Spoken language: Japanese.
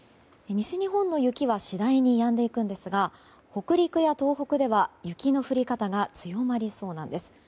西日本の雪は次第にやんでいくんですが北陸や東北では、雪の降り方が強まりそうなんです。